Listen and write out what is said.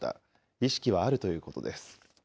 意識はあるということです。